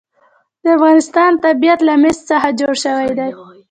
د افغانستان طبیعت له مس څخه جوړ شوی دی.